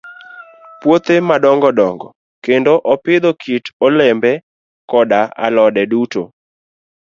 Puothe madongo dongo, kendo opidho kit olembe koda alode duto.